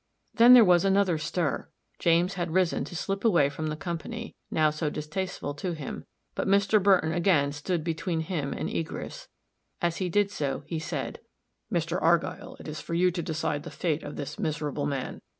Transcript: Then there was another stir; James had risen to slip away from the company, now so distasteful to him; but Mr. Burton again stood between him and egress; as he did so, he said, "Mr. Argyll, it is for you to decide the fate of this miserable man.